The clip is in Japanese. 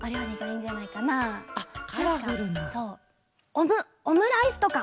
オムオムライスとか！